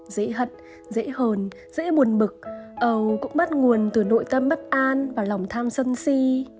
dễ hận dễ hồn dễ buồn bực ầu cũng bắt nguồn từ nội tâm bất an và lòng tham sân si